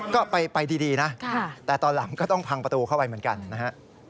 ก็ไปดีนะแต่ตอนหลังก็ต้องพังประตูเข้าไปเหมือนกันนะฮะ